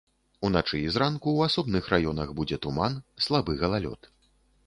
Уначы і зранку ў асобных раёнах будзе туман, слабы галалёд.